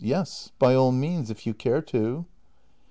Yes, by all means, if you care to.